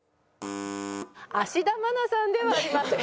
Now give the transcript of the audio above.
芦田愛菜さんではありません。